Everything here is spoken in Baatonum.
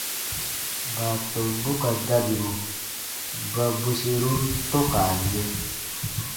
Baatɔmbu ka dabiru ba bweserun tɔ̃ka yɛ̃.